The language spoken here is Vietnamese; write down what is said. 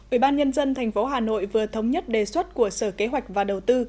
ủy ban nhân dân tp hà nội vừa thống nhất đề xuất của sở kế hoạch và đầu tư